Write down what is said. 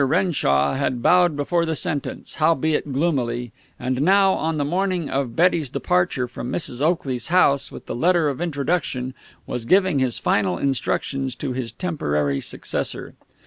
Renshaw had bowed before the sentence, howbeit gloomily, and now, on the morning of Betty's departure from Mrs. Oakley's house with the letter of introduction, was giving his final instructions to his temporary successor.